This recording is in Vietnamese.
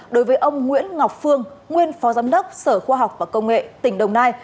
đối với ông nguyễn ngọc phương nguyên phó giám đốc sở khoa học và công nghệ tỉnh đồng nai